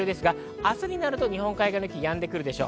明日になると日本海側の雪、やんでくるでしょう。